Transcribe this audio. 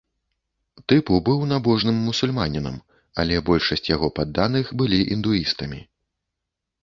Тыпу быў набожным мусульманінам, але большасць яго падданых былі індуістамі.